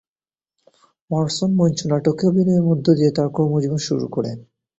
Watson মঞ্চনাটকে অভিনয়ের মধ্য দিয়ে তার কর্মজীবন শুরু করেন।